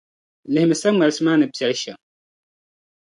Lihimi saŋmarsi maa ni Piɛl' shɛm.